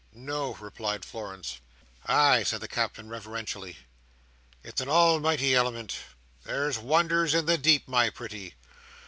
"No," replied Florence. "Ay," said the Captain, reverentially; "it's a almighty element. There's wonders in the deep, my pretty.